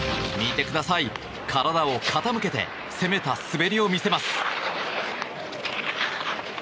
見てください、体を傾けて攻めた滑りを見せます。